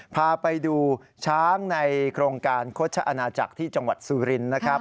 พาไปดูช้างในโครงการโฆษอาณาจักรที่จังหวัดสุรินทร์นะครับ